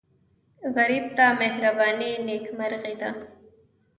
غریب ته مهرباني نیکمرغي ده